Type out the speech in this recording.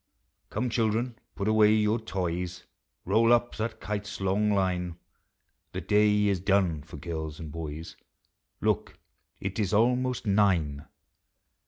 "Come, children, put away your toys; Roll up that kite's long line; The day is done for girls and boys Look, it is almost nine!